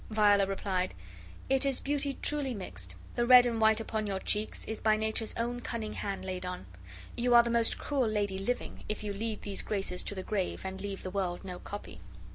Viola replied: "It is beauty truly mixed; the red and white upon your cheeks is by Nature's own cunning hand laid on. You are the most cruel lady living if you lead these graces to the grave and leave the world no copy."